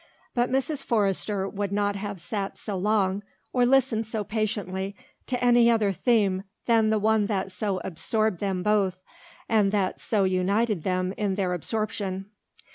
But Mrs. Forrester would not have sat so long or listened so patiently to any other theme than the one that so absorbed them both and that so united them in their absorption.